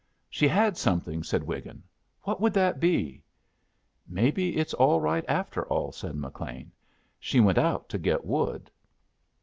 "She had something," said Wiggin. "What would that be?" "Maybe it's all right, after all," said McLean. "She went out to get wood."